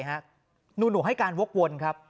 หนูให้การวกวนครับ